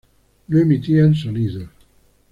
No emitían sonidos.